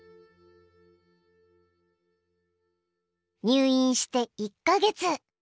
入院して１か月。